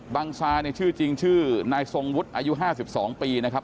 ซาเนี่ยชื่อจริงชื่อนายทรงวุฒิอายุ๕๒ปีนะครับ